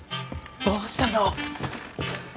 どうしたの？